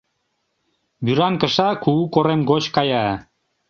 Вӱран кыша кугу корем гоч кая.